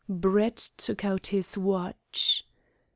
Brett took out his watch.